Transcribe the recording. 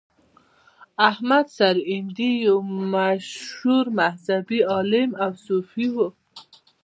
احمد سرهندي یو مشهور مذهبي عالم او صوفي و.